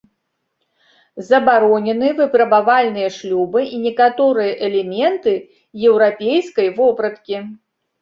Забаронены выпрабавальныя шлюбы і некаторыя элементы еўрапейскай вопраткі.